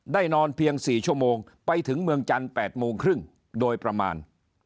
นอนเพียง๔ชั่วโมงไปถึงเมืองจันทร์๘โมงครึ่งโดยประมาณ